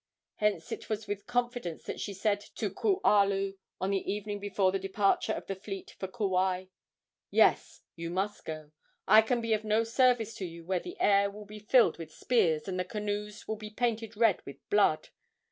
Hence it was with confidence that she said to Kualu, on the evening before the departure of the fleet for Kauai: "Yes, you must go. I can be of no service to you where the air will be filled with spears and the canoes will be painted red with blood.